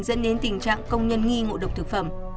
dẫn đến tình trạng công nhân nghi ngộ độc thực phẩm